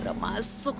ya udah yuk